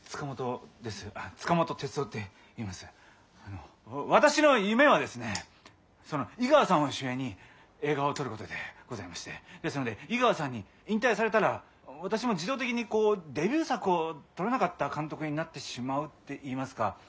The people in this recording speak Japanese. あの私の夢はですね井川さんを主演に映画を撮ることでございましてですので井川さんに引退されたら私も自動的にデビュー作を撮れなかった監督になってしまうっていいますか。